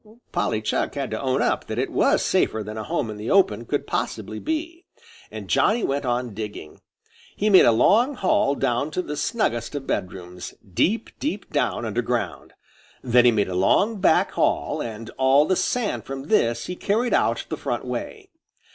Polly Chuck had to own up that it was safer than a home in the open could possibly be, and Johnny went on digging. He made a long hall down to the snuggest of bedrooms, deep, deep down under ground. Then he made a long back hall, and all the sand from this he carried out the front way.